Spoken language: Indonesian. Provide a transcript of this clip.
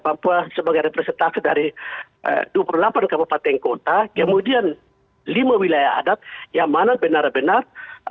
papua sebagai representasi dari dua puluh delapan kabupaten kota kemudian lima wilayah adat yang mana benar benar